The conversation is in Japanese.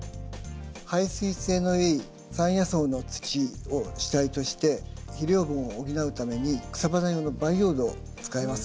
排水性のいい山野草の土を主体として肥料分を補うために草花用の培養土を使います。